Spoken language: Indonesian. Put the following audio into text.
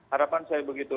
harapan saya begitu